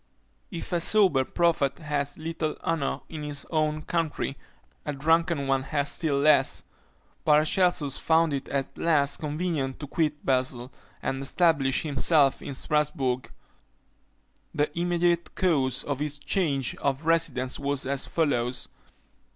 If a sober prophet has little honour in his own country, a drunken one has still less. Paracelsus found it at last convenient to quit Basle, and establish himself at Strasbourg. The immediate cause of this change of residence was as follows.